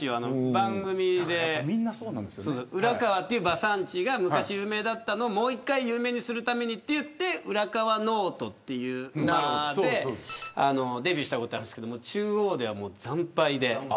番組で浦河という馬産地が昔、有名だったのをもう１回有名にするためにといってウラカワノオトという馬を買ってデビューしたことあるんですけど中央では惨敗で。